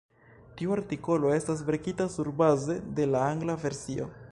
Tiu artikolo estas verkita surbaze de la angla versio.